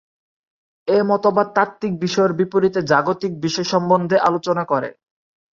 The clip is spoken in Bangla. এ মতবাদ তাত্ত্বিক বিষয়ের বিপরীতে জাগতিক বিষয় সম্বন্ধে আলোচনা করে।